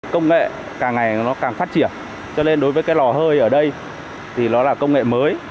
công nghệ càng ngày nó càng phát triển cho nên đối với cái lò hơi ở đây thì nó là công nghệ mới